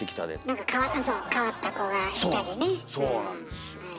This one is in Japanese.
何か変わった子がいたりね。